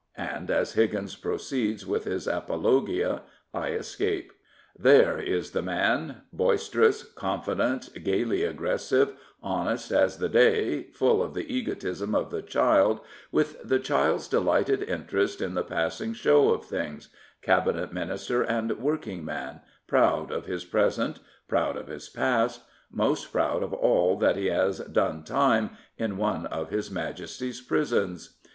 " And as Higgins proceeds with his apologia I escape. There is the man, boisterous, confident, gaily aggressive,^ honest as the day, full of the egotism of the child, with the child's delighted interest in the passing show of things — Cabinet Minister and work ing man — proud of his present, proud of his past, most proud of all that he has " done time " in one of his Majesty's prisons.